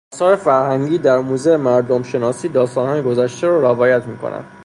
آثار فرهنگی در موزه مردمشناسی داستانهای گذشته را روایت میکنند